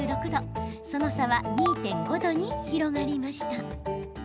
その差は２．５度に広がりました。